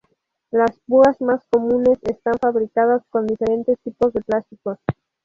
Las púas más comunes están fabricadas con diferentes tipos de plásticos.